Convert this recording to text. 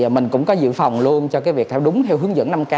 mình cũng có dự phòng luôn cho việc đúng theo hướng dẫn năm k